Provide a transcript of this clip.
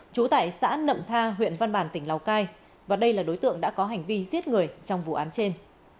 trú tại xã nậm tha huyện văn bàn tỉnh lào cai và đây là đối tượng đã có hành vi giết người trong vụ án trên